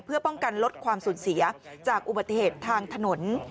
เพื่อป้องกันลดความสูญเสียจากอุบัติเหตุทางถนน